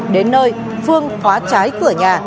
đến nơi phương khóa trái cửa nhà